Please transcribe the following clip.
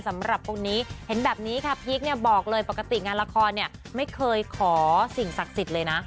สำหรับคนนี้เห็นแบบนี้ค่ะพีคเนี่ยบอกเลยปกติงานละครเนี่ยไม่เคยขอสิ่งศักดิ์สิทธิ์เลยนะ